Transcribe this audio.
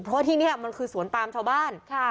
เพราะที่เนี่ยมันคือสวนปลามชาวบ้านค่ะ